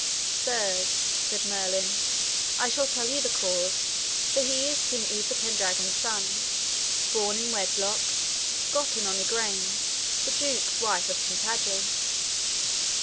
Sirs, said Merlin, I shall tell you the cause, for he is King Uther Pendragon's son, born in wedlock, gotten on Igraine, the duke's wife of Tintagil.